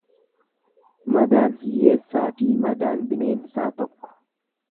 Madaan hiyyeessaafi madaan bineensaa tokko.